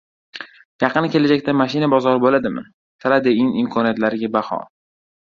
Yaqin kelajakda mashina bozori bo‘ladimi? Trade-In imkoniyatlariga baho